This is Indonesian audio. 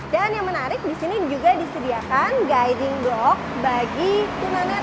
dan yang menarik di sini juga disediakan guiding block bagi tunanet